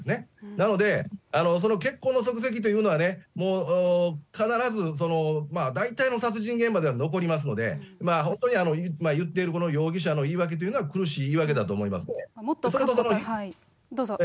なので、その血痕の足跡というのはね、もう必ず大体の殺人現場では残りますので、本当に言っているこの容疑者の言い訳というのは、苦しい言い訳だと思います、どうぞ。